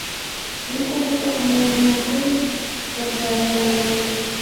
no kuvuga umuntu mukuru bazaganira